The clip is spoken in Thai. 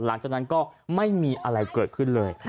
หลังจากนั้นก็ไม่มีอะไรเกิดขึ้นเลย